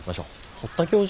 堀田教授？